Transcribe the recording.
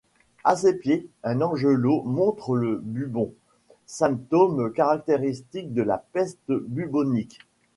À ses pieds un angelot montre le bubon, symptôme caractéristique de la peste bubonique.